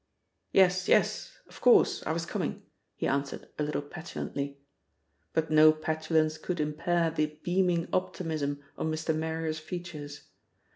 "Yes, yes! Of course! I was coming," he answered a little petulantly. But no petulance could impair the beaming optimism on Mr. Marrier's features.